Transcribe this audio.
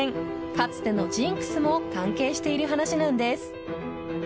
かつてのジンクスも関係している話なんです。